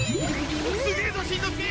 すげえぞしんのすけ！